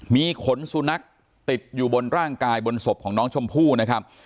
มีขนสุนัขติดอยู่บนร่างกายบนศพของน้องชมพู่นะครับ